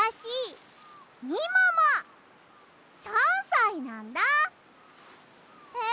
３さいなんだ。え？